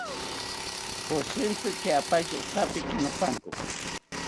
Koshintzi kiapaki otapiki nopanko